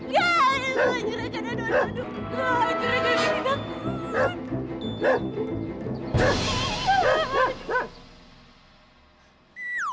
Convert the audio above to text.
ya ampun ya ampun